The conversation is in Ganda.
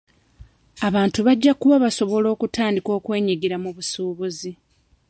Abantu bajja kuba basobola okutandika n'okwenyigira mu busuubuzi.